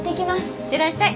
行ってらっしゃい。